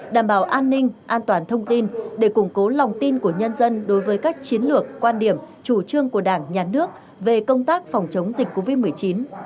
đảm bảo an ninh an toàn thông tin để củng cố lòng tin của nhân dân đối với các chiến lược quan điểm chủ trương của đảng nhà nước về công tác phòng chống dịch covid một mươi chín